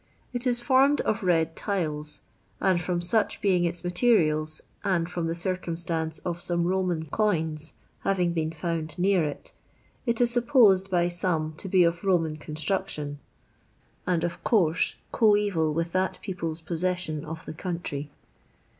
It is formed of red tiles ; and from such being its materials, and from the cireumstance of some Roman coins having been found near it, it is supposed by some to be of Roman construction, and of course coeval with that people's possession of the country.